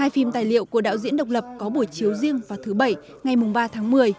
hai phim tài liệu của đạo diễn độc lập có buổi chiếu riêng vào thứ bảy ngày ba tháng một mươi